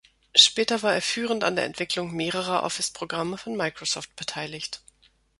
Später war er führend an der Entwicklung mehrerer Office-Programme von Microsoft beteiligt.